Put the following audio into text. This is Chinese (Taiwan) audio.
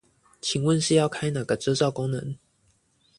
請問是要開哪個遮罩功能